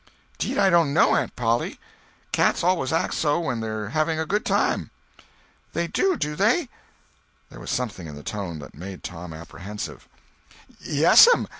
"Deed I don't know, Aunt Polly; cats always act so when they're having a good time." "They do, do they?" There was something in the tone that made Tom apprehensive. "Yes'm.